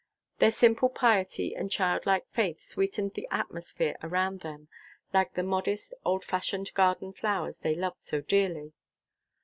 Their simple piety and childlike faith sweetened the atmosphere around them, like the modest, old fashioned garden flowers they loved so dearly.